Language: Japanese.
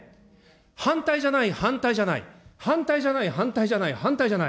反対じゃない、反対じゃない、反対じゃない、反対じゃない、反対じゃない。